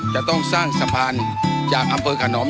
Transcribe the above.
จะต้องสร้างสะพานจากอำเภอขนอม